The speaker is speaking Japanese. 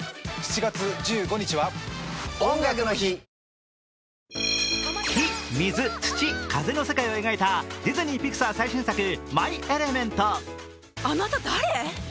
更に印象深い先生について火・水・土・風の世界を描いたディズニー・ピクサー最新作「マイ・エレメント」。